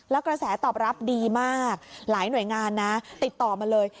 แล้วกระแสตอบรับดีมากหลายหน่วยงานนะติดต่อมาเลย